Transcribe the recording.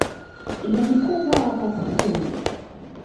Idadi kubwa wako kusini.